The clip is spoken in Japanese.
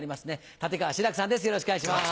立川志らくさんです